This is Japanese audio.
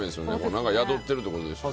何か宿っているってことでしょ？